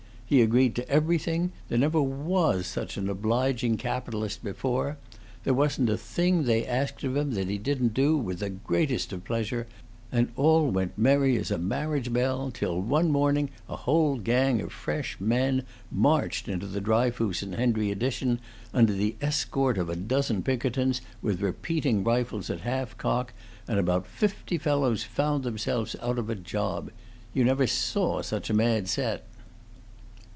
He agreed to everything; there never was such an obliging capitalist before; there wasn't a thing they asked of him that he didn't do, with the greatest of pleasure, and all went merry as a marriage bell till one morning a whole gang of fresh men marched into the Dryfoos and Hendry Addition, under the escort of a dozen Pinkertons with repeating rifles at half cock, and about fifty fellows found themselves out of a job. You never saw such a mad set."